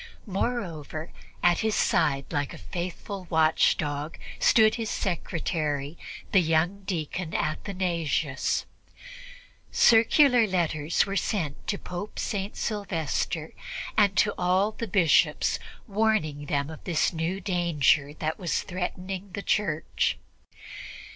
Moreover, at his side, like a faithful watchdog, stood his secretary, the young deacon Athanasius. Circular letters were sent to Pope St. Sylvester and to all the Bishops warning them of the new danger that was threatening the Church.